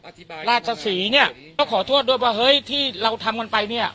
พวกอาทิบายลาชศรีเนี้ยก็ขอโทษด้วยว่าเฮ้ยที่เราทำก่อนไปเนี้ย